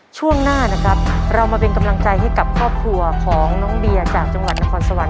ช่วงหน้านะครับเรามาเป็นกำลังใจให้กับครอบครัวของน้องเบียจากจังหวัดนครสวรรค